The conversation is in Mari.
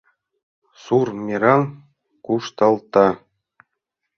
Сур мераҥ кушталта